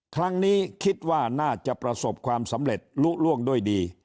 ครั้งนี้คิดว่าน่าจะประสบความสำเร็จลุล่วงด้วยดี